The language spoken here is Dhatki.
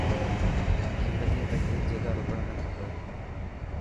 زندگي ۾ هيڪ جڳهه رڪرڻ نه کپي.